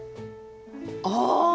ああ！